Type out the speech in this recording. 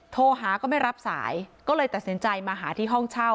โทรหาก็ไม่รับสายก็เลยตัดสินใจมาหาที่ห้องเช่า